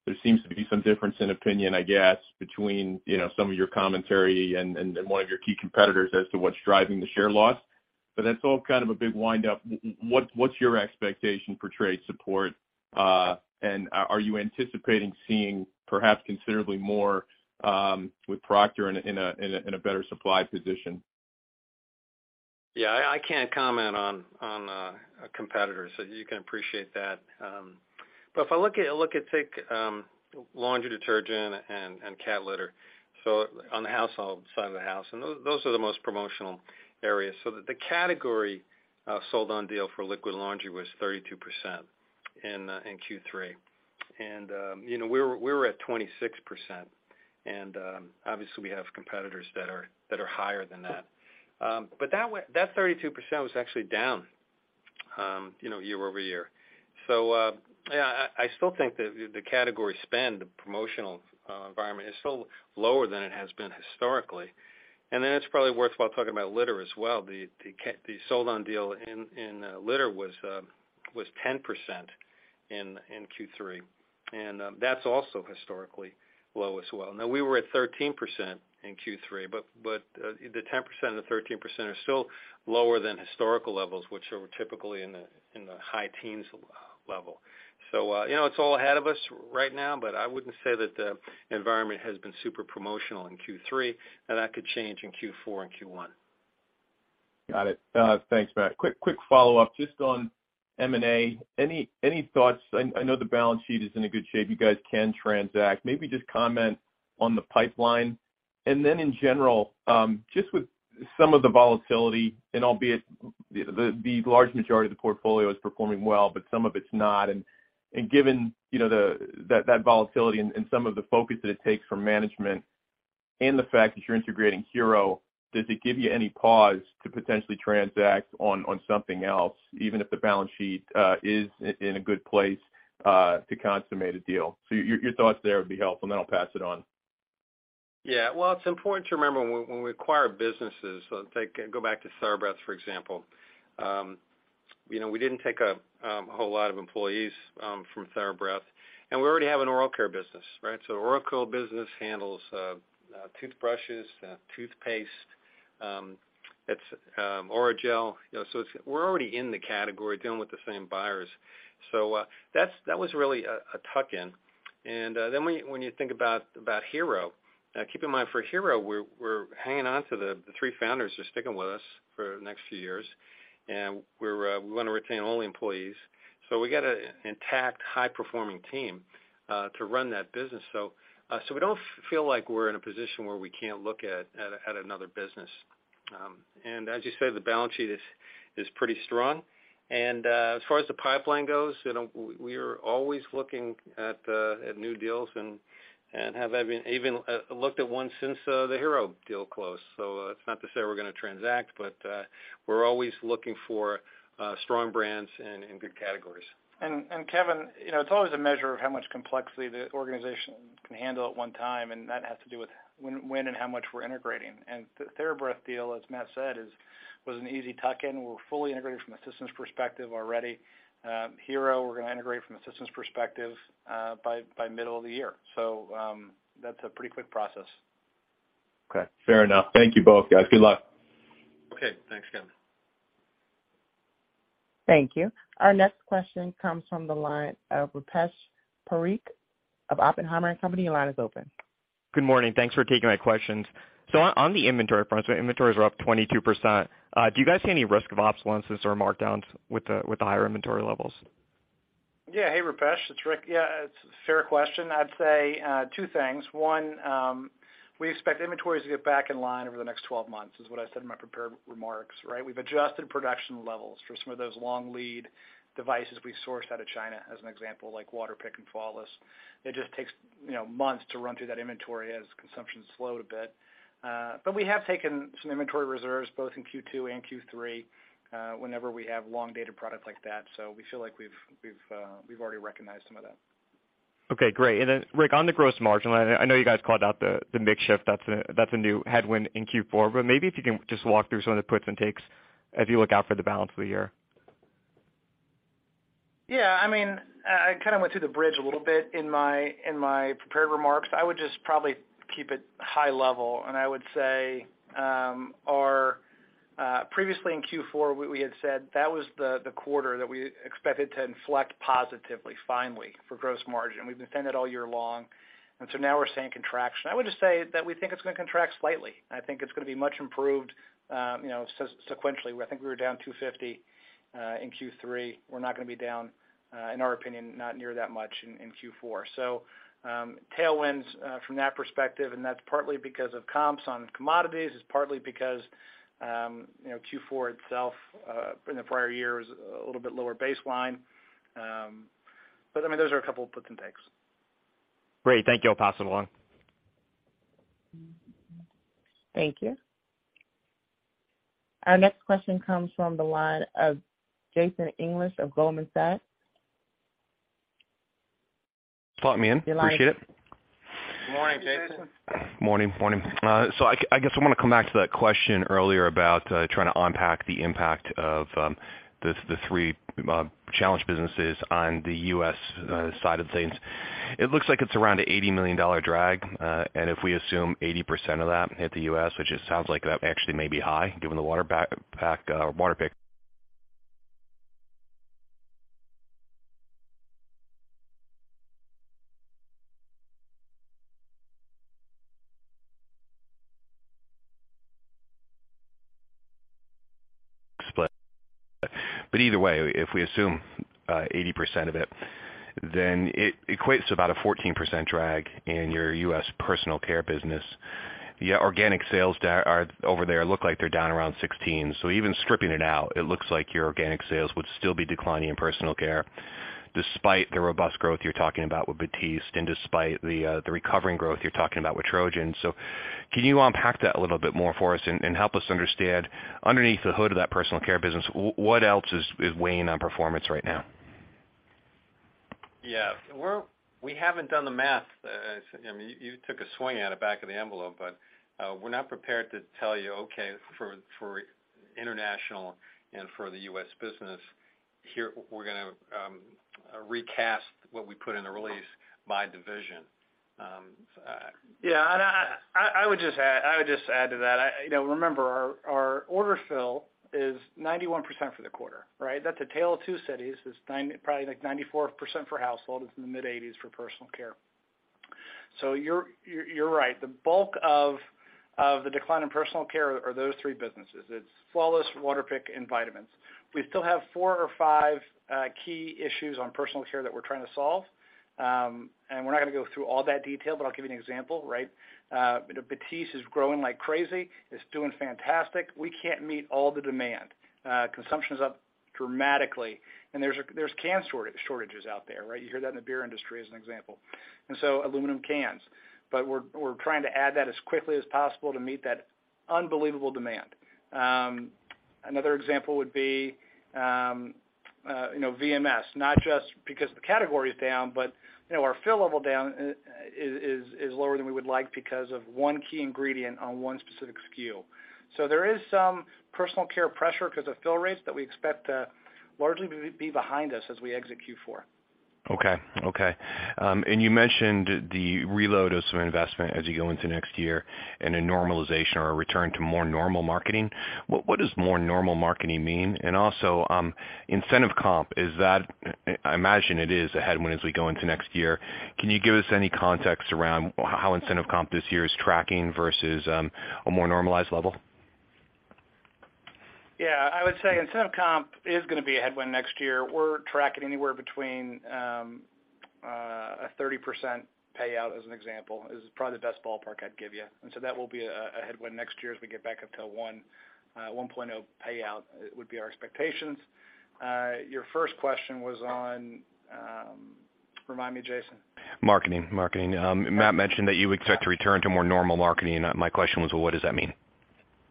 There seems to be some difference in opinion, I guess, between, you know, some of your commentary and one of your key competitors as to what's driving the share loss. That's all kind of a big wind up. What's your expectation for trade support? Are you anticipating seeing perhaps considerably more with Procter & Gamble in a better supply position? Yeah, I can't comment on a competitor, so you can appreciate that. But if I look at laundry detergent and cat litter, so on the household side of the house, and those are the most promotional areas. The category sold on deal for liquid laundry was 32% in Q3. And you know, we were at 26%. And obviously we have competitors that are higher than that. But that 32% was actually down, you know, year-over-year. Yeah, I still think the category spend, the promotional environment is still lower than it has been historically. Then it's probably worthwhile talking about litter as well. The sold on deal in litter was 10% in Q3, and that's also historically low as well. We were at 13% in Q3, but the 10% and the 13% are still lower than historical levels, which are typically in the high teens level. You know, it's all ahead of us right now, but I wouldn't say that the environment has been super promotional in Q3. Now that could change in Q4 and Q1. Got it. Thanks, Matt. Quick follow-up just on M&A. Any thoughts? I know the balance sheet is in a good shape. You guys can transact. Maybe just comment on the pipeline. Then in general, just with some of the volatility, and albeit the large majority of the portfolio is performing well, but some of it's not. Given, you know, that volatility and some of the focus that it takes from management and the fact that you're integrating Hero, does it give you any pause to potentially transact on something else, even if the balance sheet is in a good place to consummate a deal? So your thoughts there would be helpful, and then I'll pass it on. Yeah. Well, it's important to remember when we acquire businesses. Take, go back to TheraBreath, for example, you know, we didn't take a whole lot of employees from TheraBreath, and we already have an oral care business, right? Oral care business handles toothbrushes, toothpaste, it's Orajel. You know, it's we're already in the category dealing with the same buyers. That's that was really a tuck-in. Then when you think about Hero, keep in mind for Hero, we're hanging on to the three founders are sticking with us for the next few years, and we wanna retain all the employees. We got an intact, high-performing team to run that business. We don't feel like we're in a position where we can't look at another business. As you said, the balance sheet is pretty strong. As far as the pipeline goes, you know, we are always looking at new deals and have even looked at one since the Hero deal closed. That's not to say we're gonna transact, but we're always looking for strong brands in good categories. Kevin, you know, it's always a measure of how much complexity the organization can handle at one time, and that has to do with when and how much we're integrating. The TheraBreath deal, as Matt said, was an easy tuck-in. We're fully integrated from a systems perspective already. Hero, we're gonna integrate from a systems perspective by middle of the year. That's a pretty quick process. Okay. Fair enough. Thank you both, guys. Good luck. Okay. Thanks, Kevin. Thank you. Our next question comes from the line of Rupesh Parikh of Oppenheimer & Company. Your line is open. Good morning. Thanks for taking my questions. On the inventory front, inventories are up 22%. Do you guys see any risk of obsolescence or markdowns with the higher inventory levels? Yeah. Hey, Rupesh. It's Rick. Yeah, it's a fair question. I'd say two things. One, we expect inventories to get back in line over the next 12 months, is what I said in my prepared remarks, right? We've adjusted production levels for some of those long lead devices we sourced out of China, as an example, like Waterpik and Flawless. It just takes, you know, months to run through that inventory as consumption slowed a bit. We have taken some inventory reserves both in Q2 and Q3, whenever we have long-dated product like that. We feel like we've already recognized some of that. Okay, great. Rick, on the gross margin, I know you guys called out the mix shift that's a new headwind in Q4, but maybe if you can just walk through some of the puts and takes as you look out for the balance of the year. Yeah, I mean, I kinda went through the bridge a little bit in my prepared remarks. I would just probably keep it high level, and I would say, our previously in Q4, we had said that was the quarter that we expected to inflect positively, finally, for gross margin. We've defended all year long, now we're seeing contraction. I would just say that we think it's gonna contract slightly. I think it's gonna be much improved, you know, sequentially. I think we were down 250 in Q3. We're not gonna be down, in our opinion, not near that much in Q4. Tailwinds from that perspective, and that's partly because of comps on commodities. It's partly because, you know, Q4 itself in the prior years, a little bit lower baseline. I mean, those are a couple puts and takes. Great. Thank you. I'll pass it along. Thank you. Our next question comes from the line of Jason English of Goldman Sachs. Plot me in. Your line is. Appreciate it. Good morning, Jason. Morning. I guess I wanna come back to that question earlier about trying to unpack the impact of the three challenged businesses on the U.S. side of things. It looks like it's around an $80 million drag. If we assume 80% of that hit the U.S., which it sounds like that actually may be high given the Waterpik split. Either way, if we assume 80% of it, then it equates to about a 14% drag in your U.S. personal care business. The organic sales are over there look like they're down around 16%. Even stripping it out, it looks like your organic sales would still be declining in personal care despite the robust growth you're talking about with Batiste and despite the recovering growth you're talking about with Trojan. Can you unpack that a little bit more for us and help us understand underneath the hood of that personal care business, what else is weighing on performance right now? Yeah. We haven't done the math. I mean, you took a swing at it back of the envelope, but we're not prepared to tell you, okay, for international and for the U.S. business, here, we're gonna recast what we put in the release by division. Yeah, I would just add to that. You know, remember, our order fill is 91% for the quarter, right? That's a tale of two cities. It's probably like 94% for household. It's in the mid-80s for personal care. You're right. The bulk of the decline in personal care are those three businesses. It's Flawless, Waterpik, and vitamins. We still have four or five key issues on personal care that we're trying to solve. We're not gonna go through all that detail, but I'll give you an example, right? Batiste is growing like crazy. It's doing fantastic. We can't meet all the demand. Consumption's up dramatically, and there's can shortages out there, right? You hear that in the beer industry as an example. Aluminum cans. We're trying to add that as quickly as possible to meet that unbelievable demand. Another example would be, you know, VMS, not just because the category is down, but, you know, our fill level down is lower than we would like because of one key ingredient on one specific SKU. There is some personal care pressure 'cause of fill rates that we expect to largely be behind us as we exit Q4. Okay. You mentioned the reload of some investment as you go into next year and a normalization or a return to more normal marketing. What does more normal marketing mean? And also, incentive comp, is that, I imagine it is a headwind as we go into next year. Can you give us any context around how incentive comp this year is tracking versus a more normalized level? Yeah, I would say incentive comp is gonna be a headwind next year. We're tracking anywhere between a 30% payout, as an example, is probably the best ballpark I'd give you. That will be a headwind next year as we get back up to 1.0 payout would be our expectations. Your first question was on. Remind me, Jason. Marketing. Matt mentioned that you would expect to return to more normal marketing. My question was, what does that mean?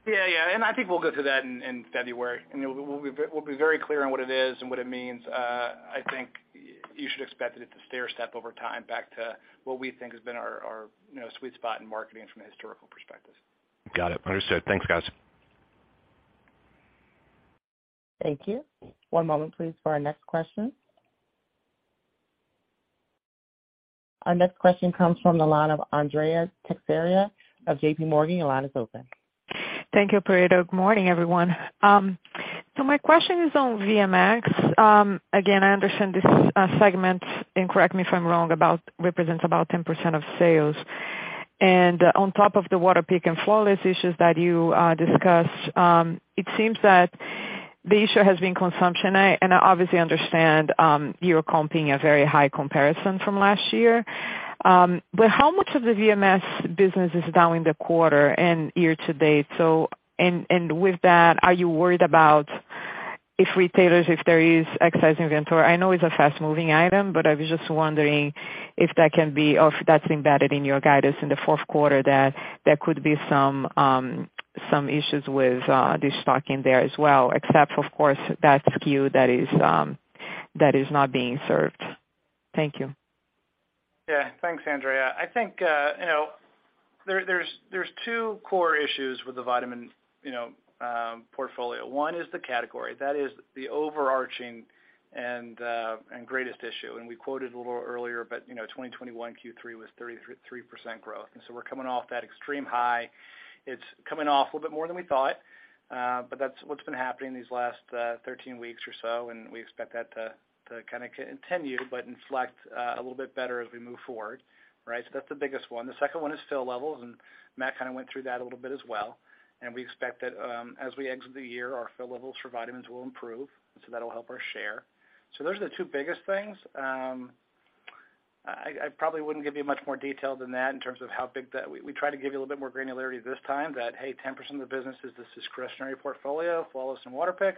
Yeah. I think we'll go through that in February, and we'll be very clear on what it is and what it means. I think you should expect that it's a stair step over time back to what we think has been our you know, sweet spot in marketing from a historical perspective. Got it. Understood. Thanks, guys. Thank you. One moment please for our next question. Our next question comes from the line of Andrea Teixeira of J.P. Morgan. Your line is open. Thank you, operator. Good morning, everyone. My question is on VMS. Again, I understand this segment, and correct me if I'm wrong, it represents about 10% of sales. On top of the Waterpik and Flawless issues that you discussed, it seems that the issue has been consumption. I obviously understand you're comping a very high comparison from last year. How much of the VMS business is down in the quarter and year to date? With that, are you worried about if retailers, if there is excess inventory? I know it's a fast-moving item, but I was just wondering if that can be or if that's embedded in your guidance in the fourth quarter, that there could be some issues with de-stocking there as well, except of course that SKU that is not being served. Thank you. Yeah. Thanks, Andrea. I think, you know, there's two core issues with the vitamin, you know, portfolio. One is the category. That is the overarching and greatest issue. We quoted a little earlier, but you know, 2021 Q3 was 33% growth, and we're coming off that extreme high. It's coming off a little bit more than we thought, but that's what's been happening these last 13 weeks or so, and we expect that to kinda continue, but inflect a little bit better as we move forward, right? That's the biggest one. The second one is fill levels, and Matt kind of went through that a little bit as well. We expect that, as we exit the year, our fill levels for vitamins will improve, so that'll help our share. Those are the two biggest things. I probably wouldn't give you much more detail than that in terms of how big. We tried to give you a little bit more granularity this time that, hey, 10% of the business is this discretionary portfolio, Flawless and Waterpik,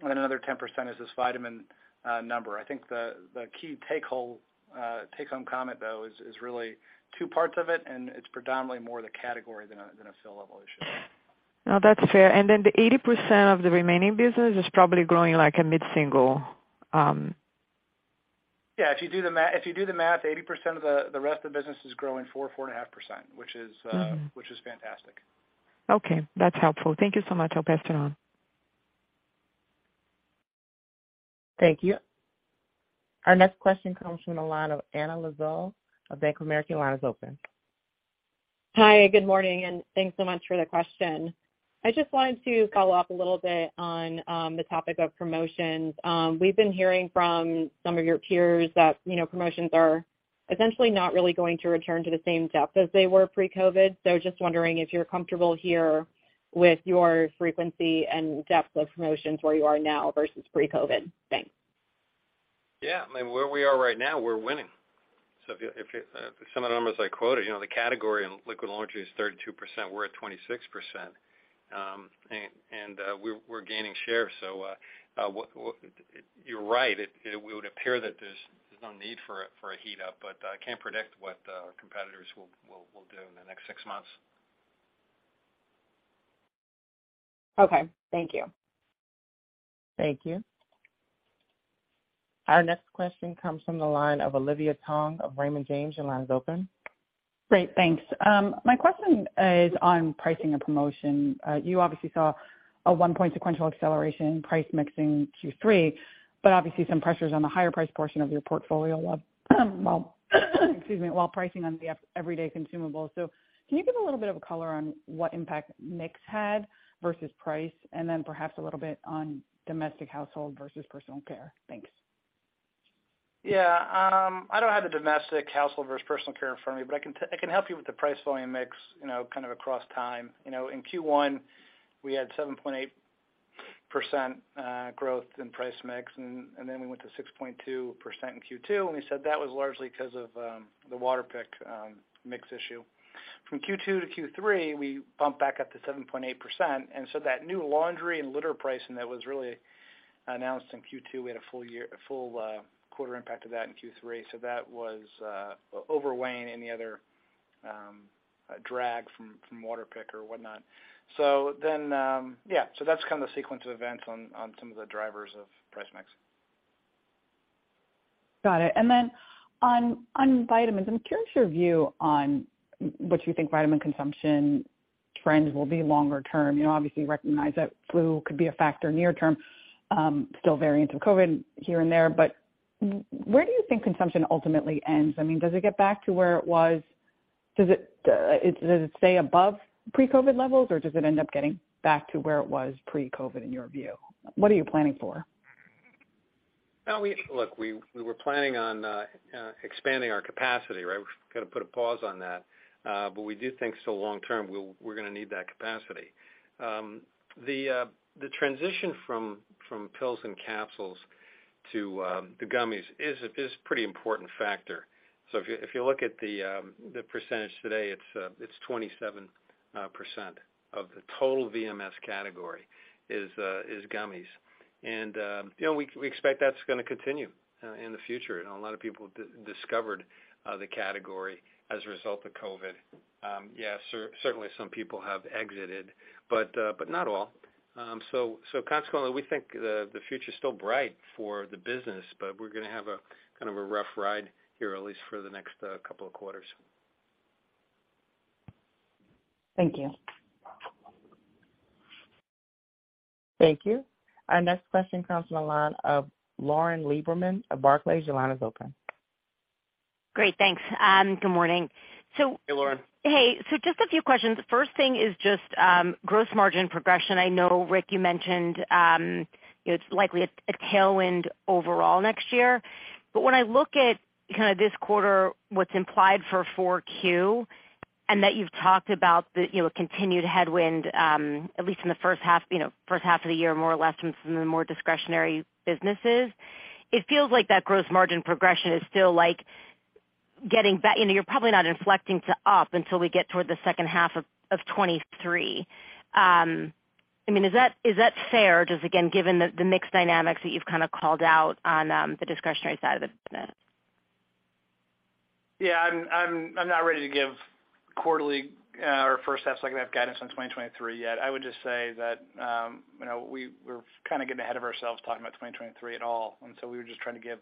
and then another 10% is this vitamin number. I think the key take home comment though is really two parts of it, and it's predominantly more the category than a fill level issue. No, that's fair. The 80% of the remaining business is probably growing like a mid-single. Yeah. If you do the math, 80% of the rest of the business is growing 4.5%, which is Mm-hmm. Which is fantastic. Okay, that's helpful. Thank you so much. I'll pass it on. Thank you. Our next question comes from the line of Anna Lizzul of Bank of America. Your line is open. Hi. Good morning, and thanks so much for the question. I just wanted to follow up a little bit on the topic of promotions. We've been hearing from some of your peers that, you know, promotions are essentially not really going to return to the same depth as they were pre-COVID. Just wondering if you're comfortable here with your frequency and depth of promotions where you are now versus pre-COVID. Thanks. Yeah. I mean, where we are right now, we're winning. If you some of the numbers I quoted, you know, the category in liquid laundry is 32%. We're at 26%. We're gaining share. You're right. It would appear that there's no need for a heat up, but I can't predict what competitors will do in the next six months. Okay. Thank you. Thank you. Our next question comes from the line of Olivia Tong of Raymond James. Your line is open. Great. Thanks. My question is on pricing and promotion. You obviously saw a 1-point sequential acceleration in price mixing Q3, but obviously some pressures on the higher price portion of your portfolio, while pricing on the everyday consumable. Can you give a little bit of a color on what impact mix had versus price, and then perhaps a little bit on domestic household versus personal care? Thanks. Yeah. I don't have the domestic household versus personal care in front of me, but I can help you with the price volume mix, you know, kind of across time. You know, in Q1, we had 7.8% growth in price mix, and then we went to 6.2% in Q2, and we said that was largely 'cause of the Waterpik mix issue. From Q2 to Q3, we bumped back up to 7.8%. That new laundry and litter pricing that was really announced in Q2, we had a full quarter impact of that in Q3. So that was overweighing any other drag from Waterpik or whatnot. Yeah, that's kind of the sequence of events on some of the drivers of price mix. Got it. On vitamins, I'm curious your view on what you think vitamin consumption trends will be longer term. You know, obviously recognize that flu could be a factor near term, still variants of COVID here and there, but where do you think consumption ultimately ends? I mean, does it get back to where it was? Does it stay above pre-COVID levels, or does it end up getting back to where it was pre-COVID in your view? What are you planning for? Look, we were planning on expanding our capacity, right? We've gotta put a pause on that. We do think so long term, we're gonna need that capacity. The transition from pills and capsules to gummies is a pretty important factor. If you look at the percentage today, it's 27% of the total VMS category is gummies. You know, we expect that's gonna continue in the future. You know, a lot of people discovered the category as a result of COVID. Yeah, certainly some people have exited, but not all. Consequently, we think the future's still bright for the business, but we're gonna have a kind of a rough ride here, at least for the next couple of quarters. Thank you. Thank you. Our next question comes from the line of Lauren Lieberman of Barclays. Your line is open. Great. Thanks. Good morning. Hey, Lauren. Hey. Just a few questions. First thing is just gross margin progression. I know, Rick, you mentioned you know, it's likely a tailwind overall next year. But when I look at kinda this quarter, what's implied for 4Q, and that you've talked about the you know, continued headwind at least in the first half, you know, first half of the year, more or less from some of the more discretionary businesses, it feels like that gross margin progression is still like you know, you're probably not inflecting to up until we get toward the second half of 2023. I mean, is that fair, just again, given the mix dynamics that you've kinda called out on the discretionary side of the business? Yeah, I'm not ready to give quarterly or first half, second half guidance on 2023 yet. I would just say that, you know, we're kinda getting ahead of ourselves talking about 2023 at all. We were just trying to give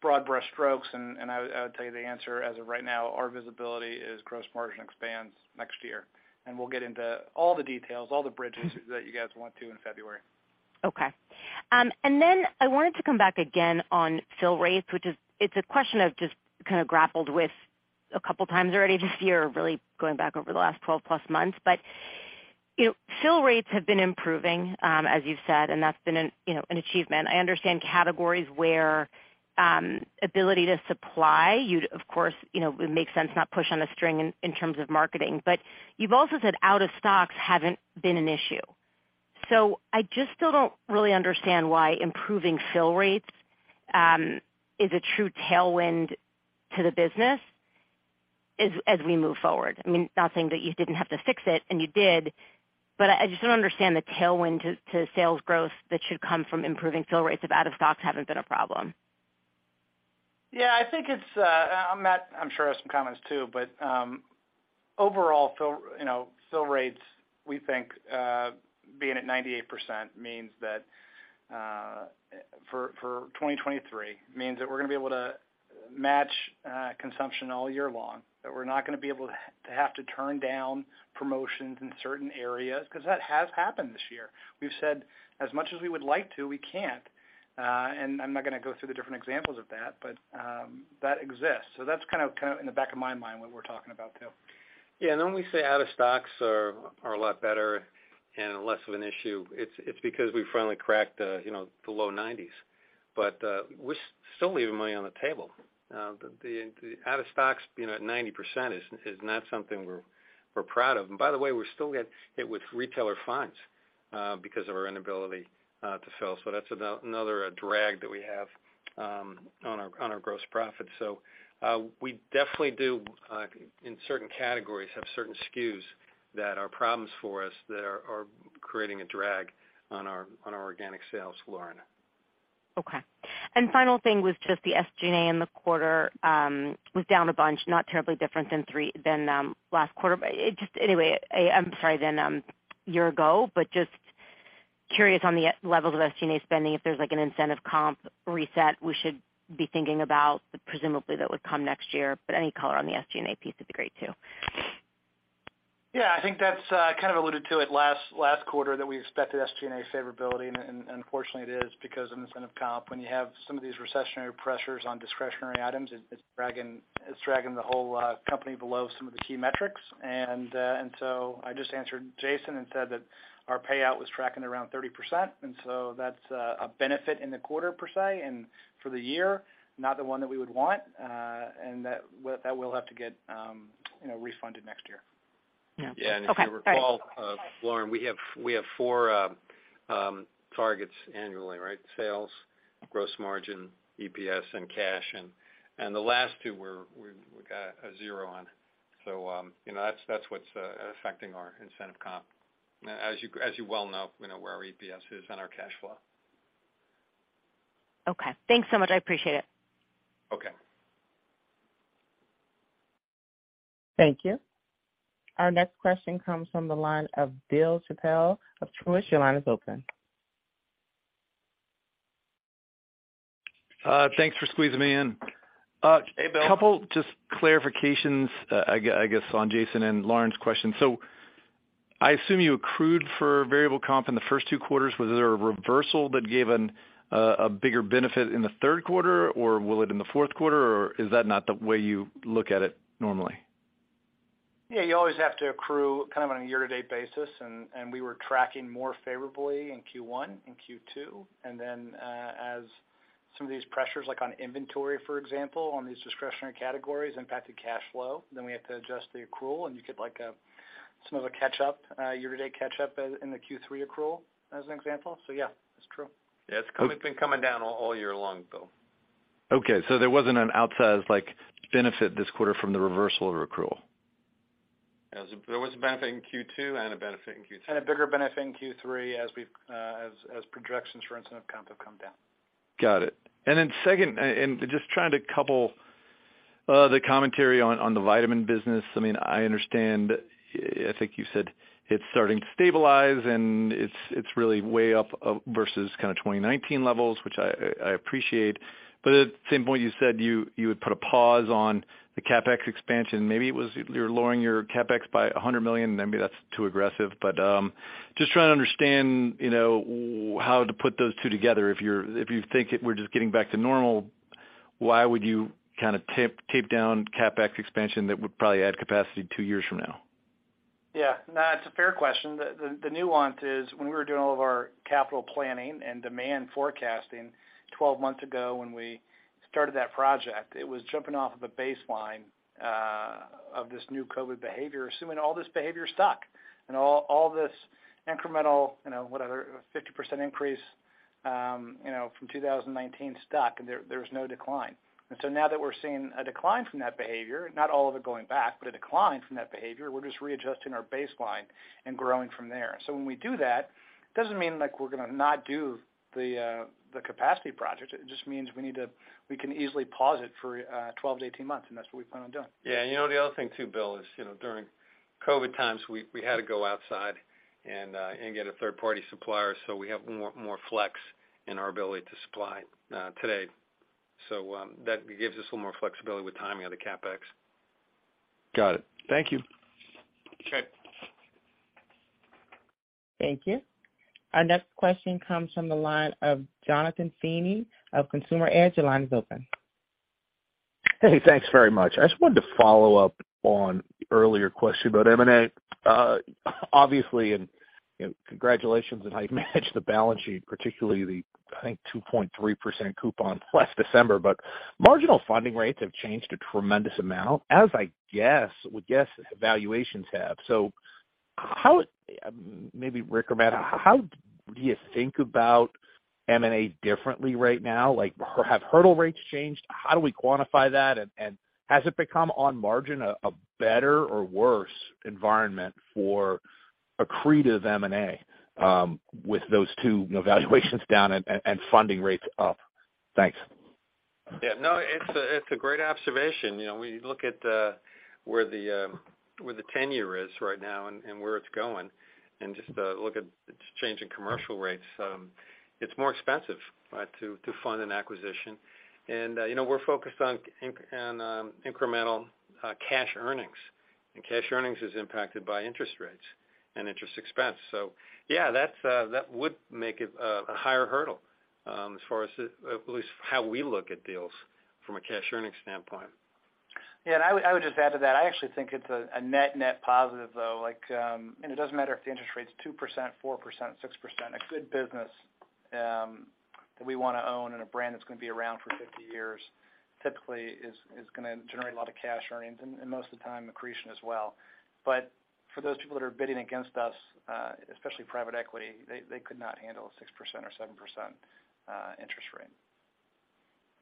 broad brush strokes and I would tell you the answer as of right now, our visibility is gross margin expands next year. We'll get into all the details, all the bridges that you guys want to in February. Okay. I wanted to come back again on fill rates. It's a question I've just kind of grappled with a couple times already this year, really going back over the last 12 plus months. You know, fill rates have been improving, as you've said, and that's been an, you know, achievement. I understand categories where ability to supply, you'd of course, you know, it would make sense not push on the string in terms of marketing. You've also said out of stocks haven't been an issue. I just still don't really understand why improving fill rates is a true tailwind to the business as we move forward. I mean, not saying that you didn't have to fix it, and you did, but I just don't understand the tailwind to sales growth that should come from improving fill rates if out of stocks haven't been a problem. Yeah, I think it's. Matt, I'm sure, has some comments too, but overall fill rates, we think, being at 98% means that for 2023, means that we're gonna be able to match consumption all year long, that we're not gonna be able to have to turn down promotions in certain areas, 'cause that has happened this year. We've said, as much as we would like to, we can't. I'm not gonna go through the different examples of that, but that exists. That's kind of in the back of my mind what we're talking about too. Yeah, when we say out of stocks are a lot better and less of an issue, it's because we finally cracked you know the low 90s. We're still leaving money on the table. The out of stocks being at 90% is not something we're proud of. By the way, we still get hit with retailer fines because of our inability to sell. That's another drag that we have on our gross profit. We definitely do in certain categories have certain SKUs that are problems for us that are creating a drag on our organic sales, Lauren. Okay. Final thing was just the SG&A in the quarter was down a bunch, not terribly different than year ago, but just curious on the levels of SG&A spending, if there's like an incentive comp reset we should be thinking about, presumably that would come next year, but any color on the SG&A piece would be great too. Yeah, I think that's it. I kind of alluded to it last quarter that we expected SG&A favorability, and unfortunately it is because of incentive comp. When you have some of these recessionary pressures on discretionary items, it's dragging the whole company below some of the key metrics. I just answered Jason and said that our payout was tracking around 30%. That's a benefit in the quarter per se, and for the year, not the one that we would want. That will have to get you know refunded next year. Yeah. Okay. All right. Yeah, if you recall, Lauren, we have four targets annually, right? Sales, gross margin, EPS, and cash. The last two we got a zero on. You know, that's what's affecting our incentive comp. As you well know, we know where our EPS is and our cash flow. Okay. Thanks so much. I appreciate it. Okay. Thank you. Our next question comes from the line of Bill Chappell of Truist. Your line is open. Thanks for squeezing me in. Hey, Bill. A couple just clarifications, I guess, on Jason and Lauren's question. I assume you accrued for variable comp in the first two quarters. Was there a reversal that gave a bigger benefit in the third quarter, or will it in the fourth quarter, or is that not the way you look at it normally? Yeah, you always have to accrue kind of on a year-to-date basis, and we were tracking more favorably in Q1 and Q2. Then, as some of these pressures, like on inventory, for example, on these discretionary categories impacted cash flow, we have to adjust the accrual, and you get like a sort of a catch up, year-to-date catch up in the Q3 accrual as an example. Yeah, that's true. Yeah, it's been coming down all year long though. Okay, there wasn't an outsize like benefit this quarter from the reversal of accrual. There was a benefit in Q2 and a benefit in Q3. A bigger benefit in Q3 as projections for incentive comp have come down. Got it. Second, just trying to couple the commentary on the vitamin business. I mean, I understand. I think you said it's starting to stabilize and it's really way up versus kind of 2019 levels, which I appreciate. But at the same point you said you would put a pause on the CapEx expansion. Maybe it was you're lowering your CapEx by $100 million, and maybe that's too aggressive. But just trying to understand, you know, how to put those two together. If you think we're just getting back to normal, why would you kind of tape down CapEx expansion that would probably add capacity two years from now? Yeah, no, it's a fair question. The nuance is when we were doing all of our capital planning and demand forecasting 12 months ago when we started that project, it was jumping off of a baseline of this new COVID behavior, assuming all this behavior stuck and all this incremental, you know, whatever, 50% increase, you know, from 2019 stuck and there was no decline. Now that we're seeing a decline from that behavior, not all of it going back, but a decline from that behavior, we're just readjusting our baseline and growing from there. When we do that, it doesn't mean like we're gonna not do the capacity project. It just means we need to, we can easily pause it for 12-18 months, and that's what we plan on doing. Yeah, you know, the other thing too, Bill, is, you know, during COVID times, we had to go outside and get a third-party supplier, so we have more flex in our ability to supply today. That gives us a little more flexibility with timing of the CapEx. Got it. Thank you. Okay. Thank you. Our next question comes from the line of Jonathan Feeney of Consumer Edge. Your line is open. Hey, thanks very much. I just wanted to follow up on the earlier question about M&A. Obviously, you know, congratulations on how you managed the balance sheet, particularly the, I think, 2.3% coupon last December. Marginal funding rates have changed a tremendous amount, as valuations have. How, maybe Rick or Matt, do you think about M&A differently right now? Like, have hurdle rates changed? How do we quantify that? Has it become on margin a better or worse environment for accretive M&A with those two valuations down and funding rates up? Thanks. Yeah, no, it's a great observation. You know, when you look at where the ten-year is right now and where it's going and just look at the change in commercial rates, it's more expensive to fund an acquisition. You know, we're focused on incremental cash earnings, and cash earnings is impacted by interest rates and interest expense. Yeah, that would make it a higher hurdle as far as at least how we look at deals from a cash earnings standpoint. Yeah, I would just add to that. I actually think it's a net positive though. Like, it doesn't matter if the interest rate's 2%, 4%, 6%. A good business that we wanna own and a brand that's gonna be around for 50 years typically is gonna generate a lot of cash earnings and most of the time accretion as well. For those people that are bidding against us, especially private equity, they could not handle a 6% or 7% interest rate.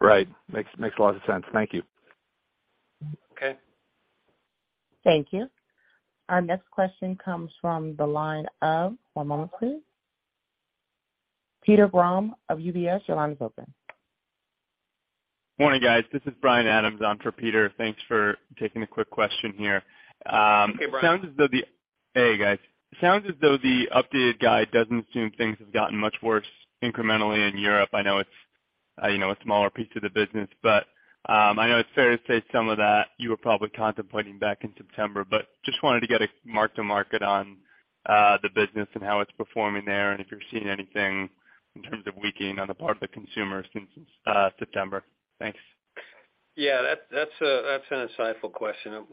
Right. Makes a lot of sense. Thank you. Okay. Thank you. Our next question comes from the line of, one moment please. Peter Grom of UBS, your line is open. Morning, guys. This is Bryan Adams on for Peter. Thanks for taking a quick question here. Hey, Bryan. Hey, guys. Sounds as though the updated guide doesn't assume things have gotten much worse incrementally in Europe. I know it's, you know, a smaller piece of the business, but I know it's fair to say some of that you were probably contemplating back in September, but just wanted to get a mark to market on the business and how it's performing there, and if you're seeing anything in terms of weakening on the part of the consumer since September. Thanks. Yeah, that's an insightful question.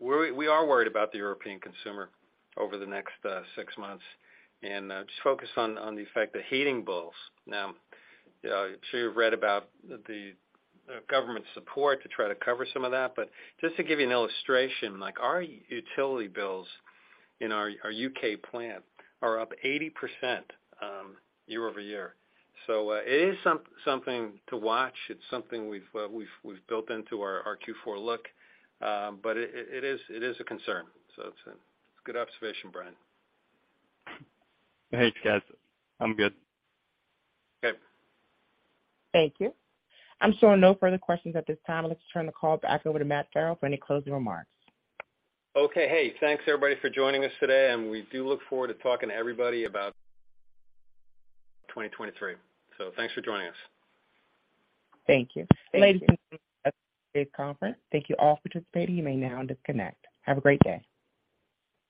We are worried about the European consumer over the next six months and just focused on the effect of heating bills. Now, I'm sure you've read about the government support to try to cover some of that, but just to give you an illustration, like our utility bills in our U.K. plant are up 80%, year-over-year. It is something to watch. It's something we've built into our Q4 look. It is a concern. It's a good observation, Brian. Thanks, guys. I'm good. Okay. Thank you. I'm showing no further questions at this time. Let's turn the call back over to Matthew Farrell for any closing remarks. Okay. Hey, thanks everybody for joining us today, and we do look forward to talking to everybody about 2023. Thanks for joining us. Thank you. Ladies and gentlemen, that concludes today's conference. Thank you all for participating. You may now disconnect. Have a great day.